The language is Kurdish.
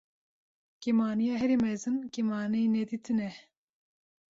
Kêmaniya herî mezin kêmanînedîtin e.